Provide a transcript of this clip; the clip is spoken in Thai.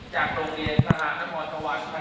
ขอบคุณมาก